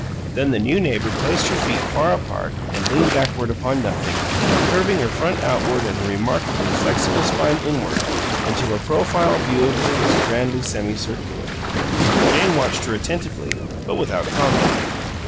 Then the new neighbor placed her feet far apart and leaned backward upon nothing, curving her front outward and her remarkably flexible spine inward until a profile view of her was grandly semicircular. Jane watched her attentively, but without comment.